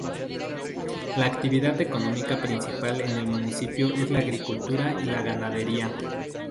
La actividad económica principal en el municipio es la agricultura y la ganadería.